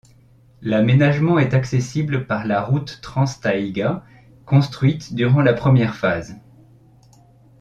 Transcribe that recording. L'aménagement est accessible par la route Transtaïga, construite durant la première phase.